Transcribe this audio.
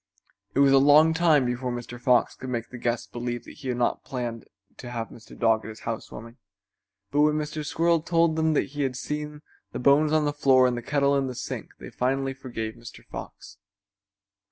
It was a long time before Mr. Fox could make the guests believe he had not planned to have Mr. Dog at his house warming, but when Mr. Squirrel told them that he had seen the bones on the floor and the kettle in the sink they finally forgave Mr. Fox.